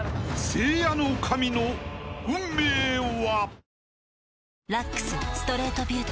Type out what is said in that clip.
［せいやのかみの運命は］